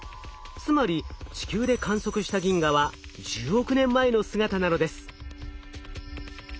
つまり地球で観測した銀河は１０億年前の姿なのです。